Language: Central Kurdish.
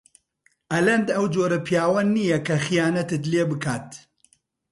ئەلەند ئەو جۆرە پیاوە نییە کە خیانەتت لێ بکات.